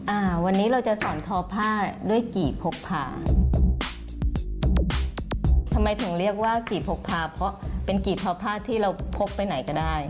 อ่าวันนี้เราจะสอนทอผ้าด้วยกี่พกพาทำไมถึงเรียกว่ากี่พกพาเพราะเป็นกี่ทอผ้าที่เราพกไปไหนก็ได้